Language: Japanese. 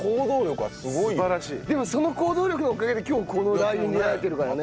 でもその行動力のおかげで今日このラー油に出会えてるからね。